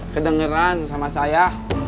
kedengeran sama saya